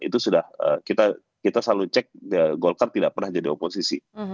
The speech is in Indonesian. itu sudah kita selalu cek golkar tidak pernah jadi oposisi